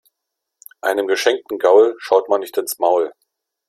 Einem geschenkten Gaul schaut man nicht ins Maul.